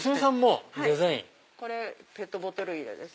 これペットボトル入れです。